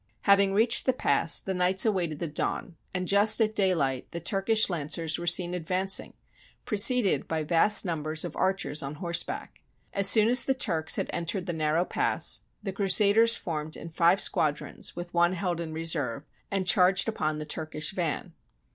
Having reached the pass, the knights awaited the dawn, and just at daylight the Turkish lancers were seen advancing, preceded by vast numbers of archers on horseback. As soon as the Turks had en tered the narrow pass, the Crusaders formed in five squadrons, with one held in reserve, and charged upon the Turkish van.